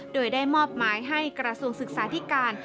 โดยได้มอบหมายให้กระทรวงศึกษาธิการ